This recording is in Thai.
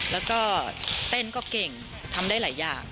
แล้วก็เต้นก็เก่งทำได้หลายอย่าง